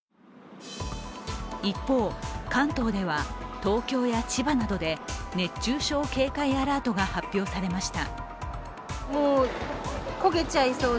一方、関東では東京や千葉などで熱中症警戒アラートが発表されました。